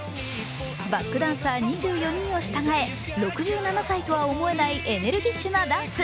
バックダンサー２４人を従え、６７歳とは思えない、エネルギッシュなダンス。